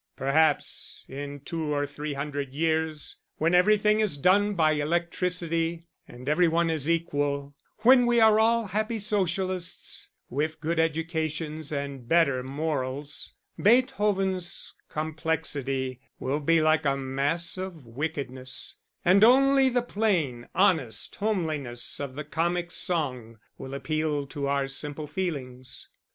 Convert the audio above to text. Perhaps, in two or three hundred years, when everything is done by electricity and every one is equal, when we are all happy socialists, with good educations and better morals, Beethoven's complexity will be like a mass of wickedness, and only the plain, honest homeliness of the comic song will appeal to our simple feelings.